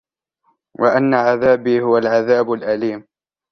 وأن عذابي هو العذاب الأليم